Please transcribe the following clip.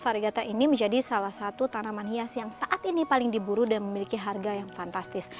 varigata ini menjadi salah satu tanaman hias yang saat ini paling diburu dan memiliki harga yang fantastis